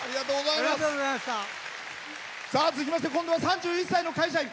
続きまして今度は３１歳の会社員。